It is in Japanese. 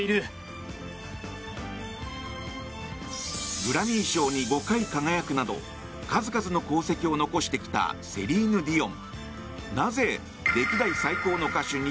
グラミー賞に５回輝くなど数々の功績を残してきたセリーヌ・ディオン。